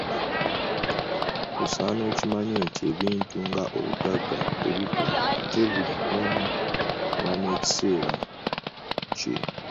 Osaana okimanye nti ebintu ng’obugagga tebikoma ate buli omu aba n’ekiseera kye.